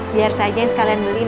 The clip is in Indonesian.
biar saja sekalian beliin